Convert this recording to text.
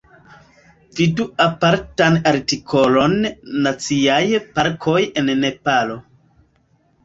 Vidu apartan artikolon "Naciaj parkoj en Nepalo".